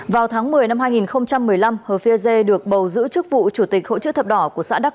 vào tháng một mươi năm hai nghìn một mươi năm hợp phia re được bầu giữ chức vụ chủ tịch hội chữ thập đỏ của xã đắk